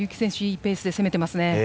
いいペースで攻めていますね。